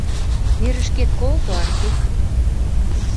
Нерышкет колто, Арпик.